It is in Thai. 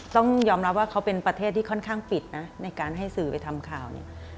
ต้องยอมรับว่าเขาเป็นประเทศที่ค่อนข้างปิดนะในการให้สื่อไปทำข่าวเนี่ย